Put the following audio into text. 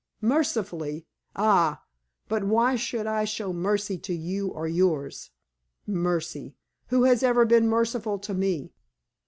Mercifully ay, but why should I show mercy to you or yours? Mercy! Who has ever been merciful to me?